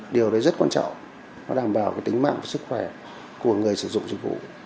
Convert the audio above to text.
điều đấy rất quan trọng nó đảm bảo tính mạng và sức khỏe của người sử dụng dịch vụ